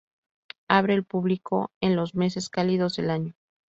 Abre al público en los meses cálidos del año.